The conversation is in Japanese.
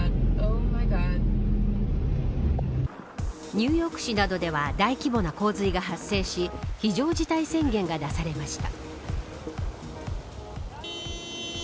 ニューヨーク市などでは大規模な洪水が発生し非常事態宣言が出されました。